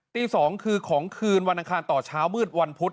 ตี๒คือของคืนวันอังคารต่อเช้ามืดวันพุธ